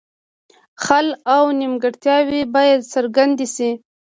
خل او نیمګړتیاوې باید څرګندې شي.